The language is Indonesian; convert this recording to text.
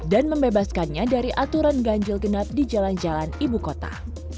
dan membebaskannya dari aturan ganjil genap di jalan jalan ibu kota